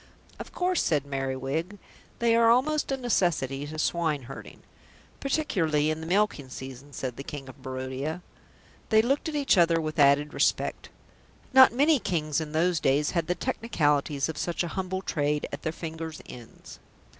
"Of course," said Merriwig, "they are almost a necessity to swineherding." "Particularly in the milking season," said the King of Barodia. They looked at each other with added respect. Not many Kings in those days had the technicalities of such a humble trade at their fingers' ends.